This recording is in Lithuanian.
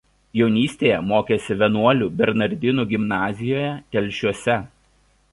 Jaunystėje mokėsi vienuolių bernardinų gimnazijoje Telšiuose.